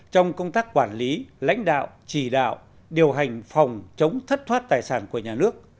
trong công tác quản lý lãnh đạo chỉ đạo điều hành phòng chống thất thoát tài sản của nhà nước